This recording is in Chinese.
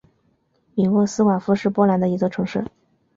米沃斯瓦夫是波兰的一座城市。